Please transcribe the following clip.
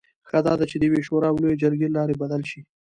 ښه دا ده چې د یوې شورا او لویې جرګې له لارې بدل شي.